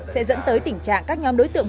sẽ dẫn tới tình trạng các nhóm đối tượng